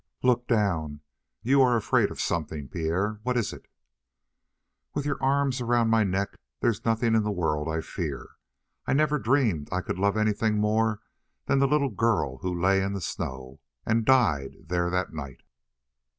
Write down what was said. "Look down. You are afraid of something, Pierre. What is it?" "With your arms around my neck, there's nothing in the world I fear. I never dreamed I could love anything more than the little girl who lay in the snow, and died there that night."